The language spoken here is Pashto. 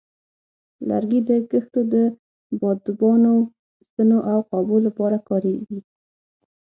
لرګي د کښتو د بادبانو، ستنو، او قابو لپاره کارېږي.